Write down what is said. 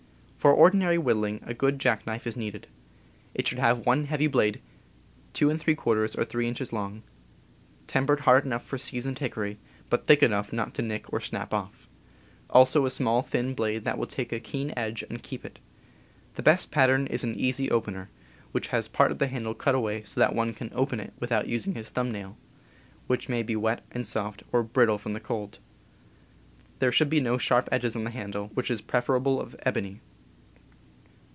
For ordinary whittling a good jackknife is needed. It should have one heavy blade 2f or 3 inches long, J ,,. tempered hard enough for seasoned * hickory, but thick enough not to nick or snap off; also a small, thin blade that will take a keen edge and keep it. The best pattern is an "easy opener," which has part of the handle cut away so that one can open it without using his thumb nail, which may be wet and soft, or brittle from cold. There should be no sharp edges on the handle, which is pref erably of ebony.